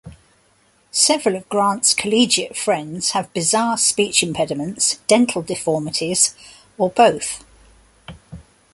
Several of Grant's collegiate friends have bizarre speech impediments, dental deformities or both.